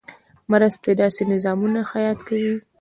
مرستې داسې نظامونه حیات کوي.